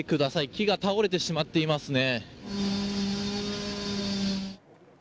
木が倒れてしまっていますね。